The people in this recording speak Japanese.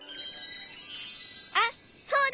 あっそうだ！